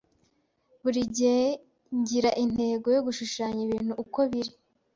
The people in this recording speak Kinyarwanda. Buri gihe ngira intego yo gushushanya ibintu uko biri.